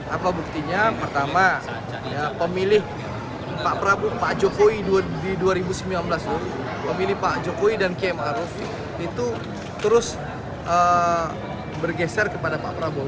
apa buktinya pertama pemilih pak prabowo pak jokowi di dua ribu sembilan belas pemilih pak jokowi dan kiai ⁇ maruf ⁇ itu terus bergeser kepada pak prabowo